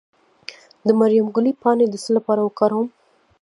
د مریم ګلي پاڼې د څه لپاره وکاروم؟